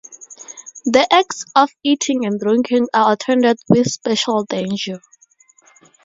The acts of eating and drinking are attended with special danger.